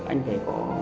anh phải có